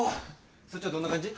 そっちはどんな感じ？